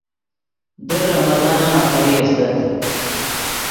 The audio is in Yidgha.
در رمضانن آخری استت